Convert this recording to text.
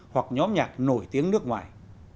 hoặc nhóm nhạc nổi tiếng nước ngoài